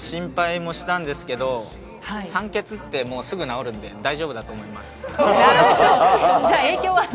心配もしたんですけど、酸欠ってすぐ治るんで、大丈夫だと思います。